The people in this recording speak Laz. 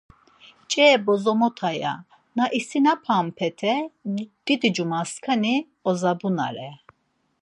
Ç̌e bozomota, ya; na isinapampete didicumasǩani ozabunare.